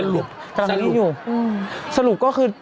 สรุปตากลางนี้อยู่